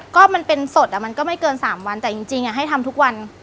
ก็มันเป็นสดมันก็ไม่เกิน๓วันแต่จริงให้ทำทุกวัน